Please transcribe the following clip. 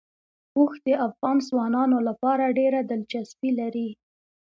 اوښ د افغان ځوانانو لپاره ډېره دلچسپي لري.